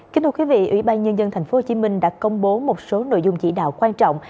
kính thưa quý vị ủy ban nhân dân tp hcm đã công bố một số nội dung chỉ đạo quan trọng